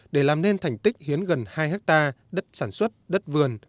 để làm nên thành tích hiến gần hai hectare đất sản xuất đất vườn